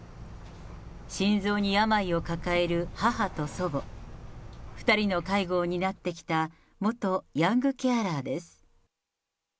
心臓に病を抱える母と祖母、２人の介護を担ってきた元ヤングケアラーです。